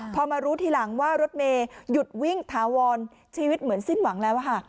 พอมารู้ทีหลังว่ารถเมย์หยุดวิ่งถาวรชีวิตเหมือนสิ้นหวังแล้วค่ะ